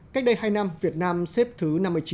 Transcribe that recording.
cách đây hai năm việt nam xếp thứ năm mươi chín